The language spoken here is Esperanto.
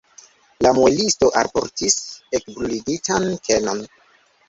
La muelisto alportis ekbruligitan kenon.